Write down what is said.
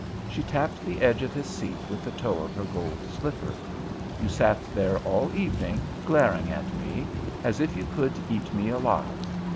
She tapped the edge of his seat with the toe of her gold slipper. "You sat there all evening, glaring at me as if you could eat me alive.